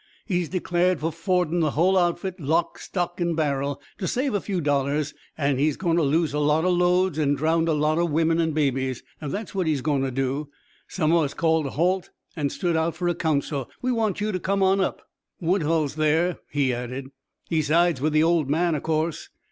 He's declared fer fordin' the hull outfit, lock, stock an' barrel. To save a few dollars, he's a goin' to lose a lot o' loads an' drownd a lot o' womern an' babies that's what he's goin' to do. Some o' us called a halt an' stood out fer a council. We want you to come on up. "Woodhull's there," he added. "He sides with the old man, o' course.